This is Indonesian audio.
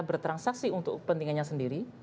bertransaksi untuk kepentingannya sendiri